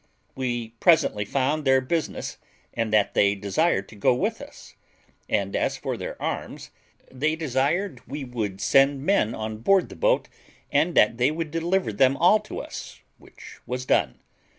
We presently found their business, and that they desired to go with us; and as for their arms, they desired we would send men on board the boat, and that they would deliver them all to us, which was done.